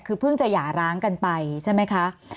คือเพิ่งจะหย่าร้างกันไปใช่ไหมคะ